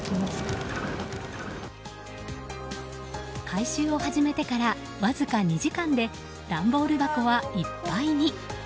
回収を始めてからわずか２時間で段ボール箱はいっぱいに。